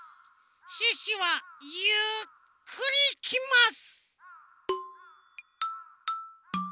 シュッシュはゆっくりいきます！